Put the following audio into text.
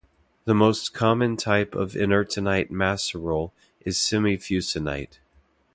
The most common type of inertinite maceral is semifusinite.